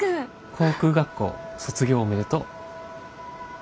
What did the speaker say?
航空学校卒業おめでとう。